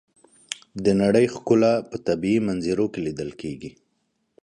د نړۍ ښکلا په طبیعي منظرو کې لیدل کېږي.